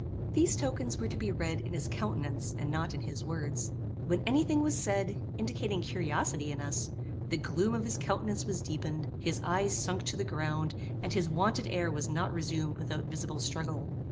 These tokens were to be read in his countenance, and not in his words. When any thing was said, indicating curiosity in us, the gloom of his countenance was deepened, his eyes sunk to the ground, and his wonted air was not resumed without visible struggle.